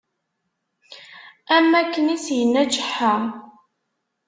Am akken i s-yenna ğeḥḥa.